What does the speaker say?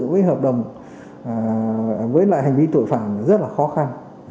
với hợp đồng với lại hành vi tội phạm rất là khó khăn